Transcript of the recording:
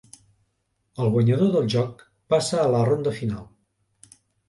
El guanyador del joc passa a la ronda final.